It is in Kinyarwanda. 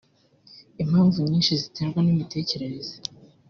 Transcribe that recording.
Impamvu nyinshi ziterwa n’imitekerereze